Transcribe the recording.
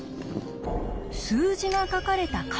数字が書かれた階段。